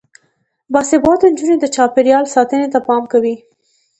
باسواده نجونې د چاپیریال ساتنې ته پام کوي.